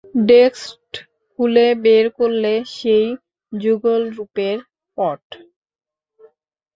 Desk খুলে বের করলে সেই যুগলরূপের পট।